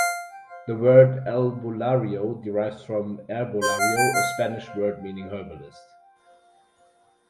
The word albularyo derives from "herbolario", a Spanish word meaning herbalist.